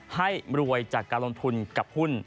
ให้รวยจากการลงทุนกับหุ้น